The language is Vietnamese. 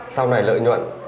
sau này lợi nhuận